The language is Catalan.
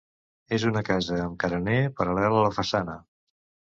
És una casa amb carener paral·lel a la façana.